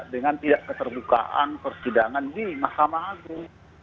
dengan tidak keterbukaan persidangan di mahkamah agung